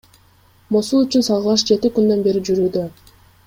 Мосул үчүн салгылаш жети күндөн бери жүрүүдө.